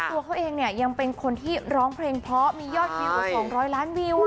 ตัวเขาเองเนี่ยยังเป็นคนที่ร้องเพลงเพราะมียอดวิวกว่า๒๐๐ล้านวิว